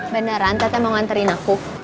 beneran tete mau nganterin aku